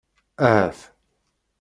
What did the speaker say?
Ahat.